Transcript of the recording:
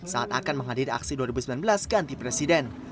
saat akan menghadiri aksi dua ribu sembilan belas ganti presiden